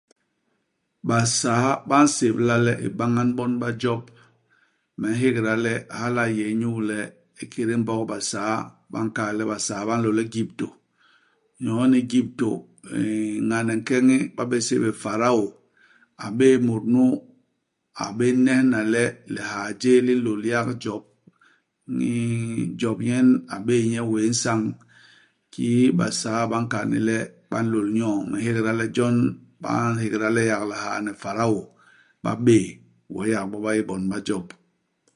Basaa ba nsébla le ibañan-bon-ba-Job, me nhégda le hala a yé inyu le, ikédé Mbog Basaa, ba nkal le Basaa ba nlôl i Egyptô. Nyoo ni i Egyptô, nn ñane nkeñi ba bé sébél Pharaô, a bé'é mut nu a bé nehna le lihaa jéé li nlôl yak Job. Nn Job nyen a bé'é nye iwéé isañ. Kiki Basaa ba nkal ni le ba nlôl nyoo, me nhégda le jon ba nhégda le yak lihaa ni Pharaô, ba bé'é ; wee yak bo ba yé bon ba Job.